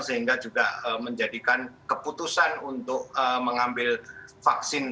sehingga juga menjadikan keputusan untuk mengambil vaksin